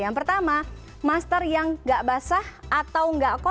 yang pertama masker yang nggak basah atau nggak oksigen